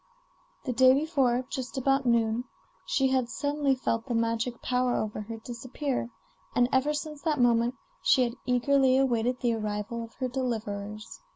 The day before, just about noon, she had suddenly felt the magic power over her disappear, and ever since that moment she had eagerly awaited the arrival of her deliverers.